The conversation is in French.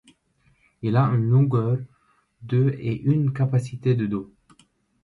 Il a une longueur de et une capacité de d'eau.